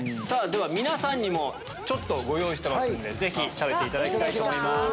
では皆さんにもご用意してますんで食べていただきたいと思います。